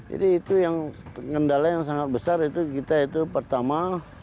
jadi itu yang kendala yang sangat besar itu kita itu pertama